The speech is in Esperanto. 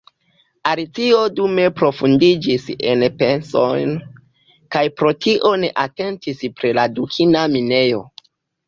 Alicio dume profundiĝis en pensojn, kaj pro tio ne atentis pri la dukina minejo.